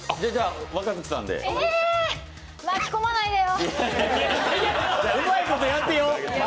えーっ、巻き込まないでよ。